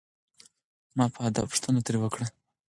ما په ادب پوښتنه ترې وکړه.